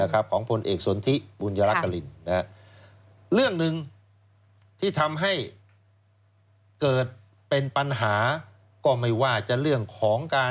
๔๙นะครับของผลเอกสวนทิบวัญรกคลิกเรื่องนึงที่ทำให้เกิดเป็นปัญหาก็ไม่ว่าจะเรื่องของการ